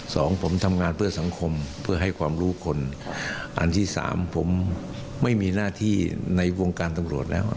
สองผมทำงานเพื่อสังคมเพื่อให้ความรู้คนอันที่สามผมไม่มีหน้าที่ในวงการตำรวจแล้ว